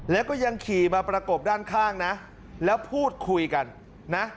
แล้วก็ยังขี่มาประกบด้านข้างนะแล้วพูดคุยกันนะ